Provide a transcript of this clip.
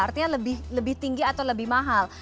artinya lebih tinggi atau lebih mahal